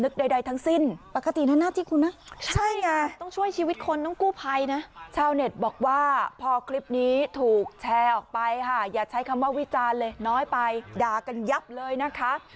ทุกนี้ถูกแชร์ออกไปค่ะอย่าใช้คำว่าวิจารณ์เลยน้อยไปดากันยับเลยนะคะ